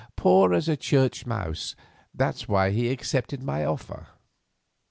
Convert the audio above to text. poor as church mice, that's why he accepted my offer."